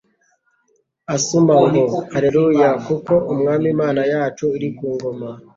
asuma ngo : "Haleluya! Kuko Umwami Imana yacu iri ku ngoma."